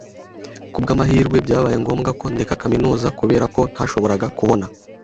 Kubwamahirwe, byabaye ngombwa ko ndeka kaminuza kubera ko ntashoboraga kubona